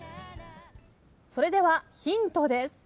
それではヒントです。